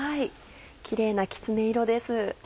キレイなきつね色です。